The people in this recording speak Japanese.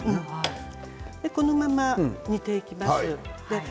このまま煮ていきます。